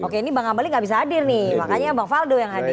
oke ini bang ambali nggak bisa hadir nih makanya bang faldo yang hadir